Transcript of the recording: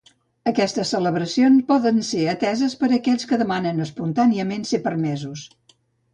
Aquestes celebracions poden ser ateses per aquells que demanen espontàniament ser permesos.